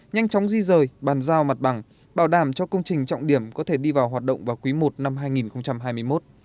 nhanh chóng di rời bàn giao mặt bằng bảo đảm cho công trình trọng điểm có thể đi vào hoạt động vào quý i năm hai nghìn hai mươi một